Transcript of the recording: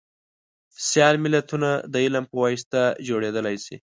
سیال ملتونه دعلم په واسطه جوړیدلی شي